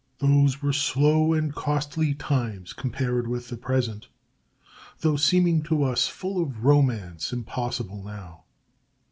Those were slow and costly times compared with the present, though seeming to us full of a romance impossible now.